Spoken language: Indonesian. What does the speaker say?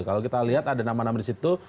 kalau kita lihat ada nama nama di situ